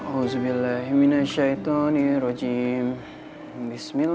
ulan dari nyeremon almaning